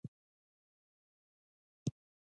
د حاصل برداشت وروسته د بسته بندۍ معیار مهم دی.